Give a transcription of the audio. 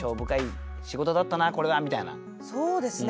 そうですね